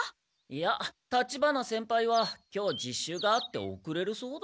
いや立花先輩は今日実習があっておくれるそうだ。